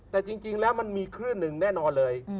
แต่จริงแล้วมันมีคลื่นหนึ่งแน่นอนเลย